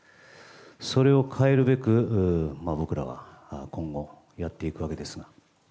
それを変えるべく、僕らは今後やっていくわけですが。